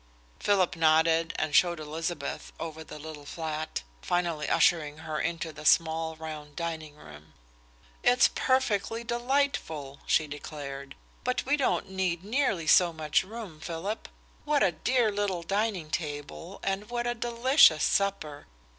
Philip nodded and showed Elizabeth over the little flat, finally ushering her into the small, round dining room. "It's perfectly delightful," she declared, "but we don't need nearly so much room, Philip. What a dear little dining table and what a delicious supper!